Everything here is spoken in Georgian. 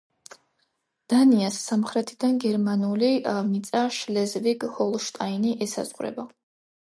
დანიას სამხრეთიდან გერმანული მიწა შლეზვიგ-ჰოლშტაინი ესაზღვრება.